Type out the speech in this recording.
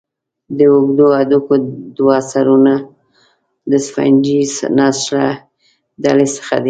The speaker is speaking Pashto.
د اوږدو هډوکو دوه سرونه د سفنجي نسج له ډلې څخه دي.